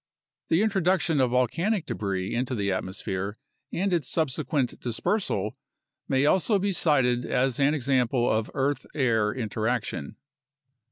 The intro duction of volcanic debris into the atmosphere and its subsequent dis persal may also be cited as an example of earth air interaction.